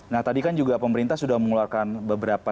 nah tadi kan juga pemerintah sudah mengeluarkan beberapa